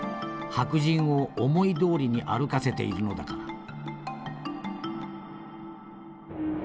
白人を思いどおりに歩かせているのだから」。